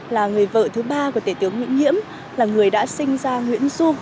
là người vợ thứ ba của tể tướng nguyễn nhiễm là người đã sinh ra nguyễn du